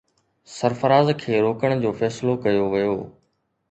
سرفراز کي روڪڻ جو فيصلو ڪيو ويو.